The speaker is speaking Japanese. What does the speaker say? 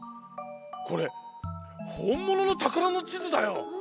これほんもののたからのちずだよお。